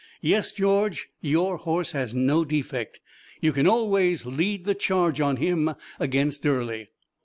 "Yes, George, your horse has no defect. You can always lead the charge on him against Early."